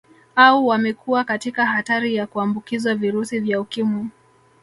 Au wamekuwa katika hatari ya kuambukizwa virusi vya Ukimwi